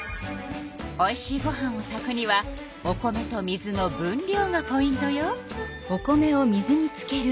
おいしいご飯を炊くにはお米と水の分量がポイントよ。